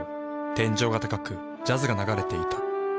天井が高くジャズが流れていた。